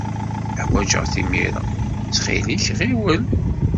Ḥwajeɣ-t imir-a. Ttxil-k, ɣiwel!